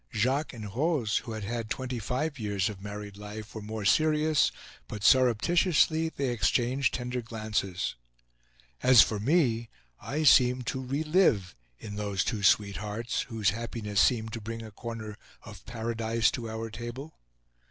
Jacques and Rose, who had had twenty five years of married life, were more serious, but, surreptitiously, they exchanged tender glances. As for me, I seemed to relive in those two sweethearts, whose happiness seemed to bring a corner of Paradise to our table.